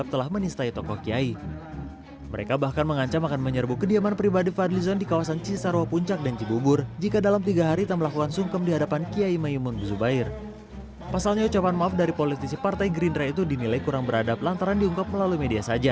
pasalnya ucapan maaf dari politisi partai gerindra itu dinilai kurang beradab lantaran diungkap melalui media saja